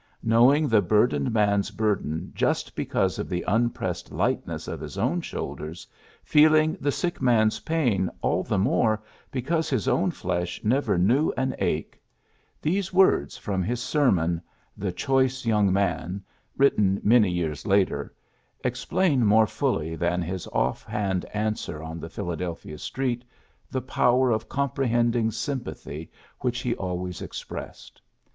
'^Knowing the burdened man's burden just because of the unpressed lightness of his own shoulders, feeling the sick man's pain all the more because his own flesh never knew an ache, '' these words 24 PHILLIPS BROOKS from his sermon, '^The Choice Young Man,'' written many years later, ex plain more fully than his off hand an swer on the Philadelphia street the power of comprehending sympathy which he always possessed.